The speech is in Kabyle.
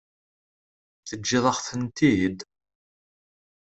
Teǧǧiḍ-aɣ-tent-id?